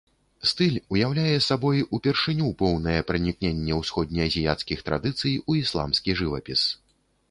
Стыль уяўляе сабой упершыню поўнае пранікненне ўсходне-азіяцкіх традыцый у ісламскі жывапіс.